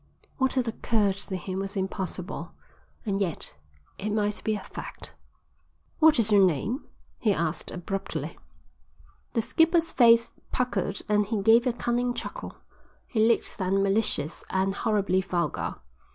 What had occurred to him was impossible, and yet it might be a fact. "What is your name?" he asked abruptly. The skipper's face puckered and he gave a cunning chuckle. He looked then malicious and horribly vulgar.